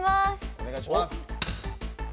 お願いします。